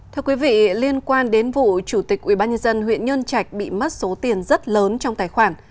thưa quý vị liên quan đến vụ chủ tịch ubnd huyện nhân trạch bị mất số tiền rất lớn trong tài khoản